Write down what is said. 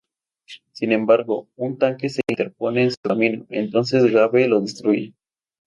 Sin embargo, un tanque se interpone en su camino, entonces Gabe lo destruye.